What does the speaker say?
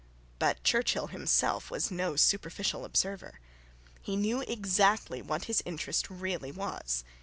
But Churchill himself was no superficial observer. He knew exactly what his interest really was.